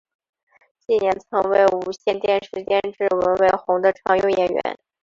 近年曾为无线电视监制文伟鸿的常用演员。